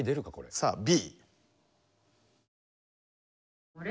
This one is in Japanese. さあＢ。